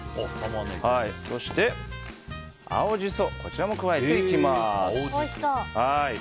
そして、青ジソこちらも加えていきます。